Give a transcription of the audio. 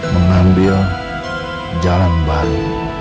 mengambil jalan baru